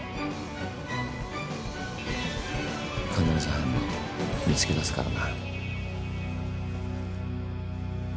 必ず犯人見つけだすからな。